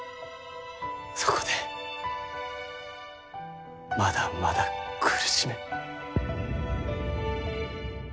そこでまだまだ苦しめ。